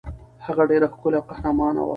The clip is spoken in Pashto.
هغه ډېره ښکلې او قهرمانه وه.